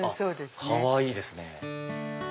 かわいいですね。